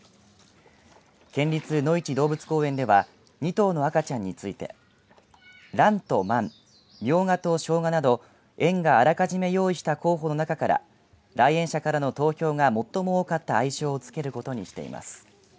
県立のいち動物公園では２頭の赤ちゃんについてランとマンみょうがとしょうがなど園があらかじめ用意した候補の中から来園者からの投票が最も多かった愛称を付けることにしています。